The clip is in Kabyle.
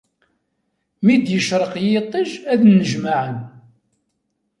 Mi d-icreq yiṭij, ad nnejmaɛen.